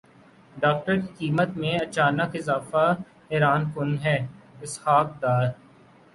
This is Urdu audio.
ڈالر کی قیمت میں اچانک اضافہ حیران کن ہے اسحاق ڈار